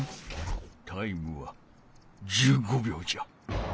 タイムは１５びょうじゃ。